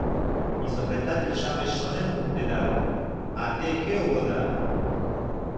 — Изобретатель-шамыч шонен луктедат, а те кӧ улыда?